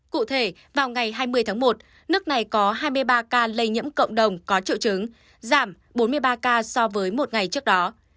cụ thể vào ngày hai mươi tháng một nước này có hai mươi ba ca lây nhiễm cộng đồng có triệu chứng giảm bốn mươi ba ca so với một ngày trước đó